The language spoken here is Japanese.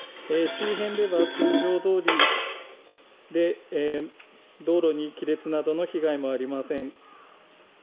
周辺では通常どおり、道路に亀裂などの被害もありません。